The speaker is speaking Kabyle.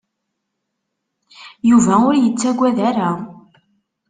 Yuba ur yettaggad ara.